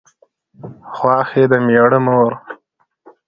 خواښې د مېړه مور